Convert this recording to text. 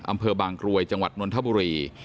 อำเภอบางกรวยจังหวัดนนทบุรี